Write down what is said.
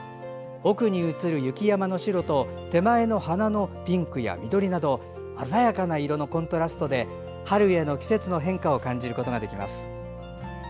奥に写る雪山の白と手前の花のピンクや緑など鮮やかな色のコントラストで春への季節の変化を感じることができます。